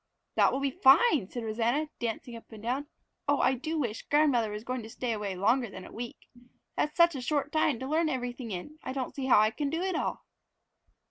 "That will be fine," said Rosanna, dancing up and down. "Oh, I do wish grandmother was going to stay away longer than a week! That's such a short time to learn everything in, I don't see how I can do it all."